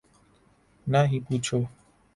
نہ ہی پوچھا